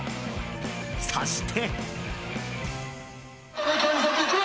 そして。